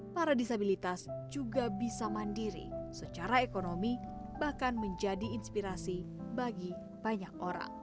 para disabilitas juga bisa mandiri secara ekonomi bahkan menjadi inspirasi bagi banyak orang